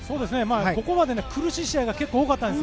ここまで苦しい試合が多かったんです。